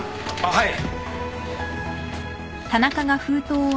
はい。